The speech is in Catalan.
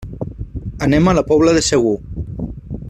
Anem a la Pobla de Segur.